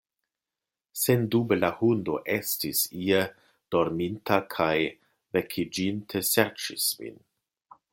Sendube la hundo estis ie dorminta kaj vekiĝinte, serĉis min.